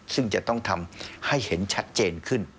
ซึ่งจะต้องทำให้เห็นชัดเจนขึ้น